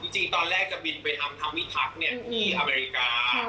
จริงตอนแรกจะบินไปทำวิทักษ์ที่อเมริกา